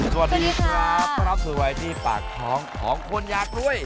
สวัสดีครับต้อนรับสวยที่ปากท้องของคนอยากรวย